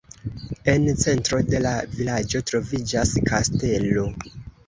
En centro de la vilaĝo troviĝas kastelo.